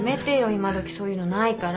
今どきそういうのないから。